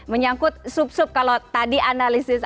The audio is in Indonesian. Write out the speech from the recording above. menyangkut sub sub kalau tadi analisis